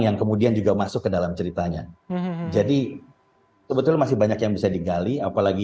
yang kemudian juga masuk ke dalam ceritanya jadi kebetulan masih banyak yang bisa digali apalagi